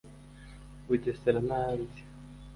Bugesera n’ahandi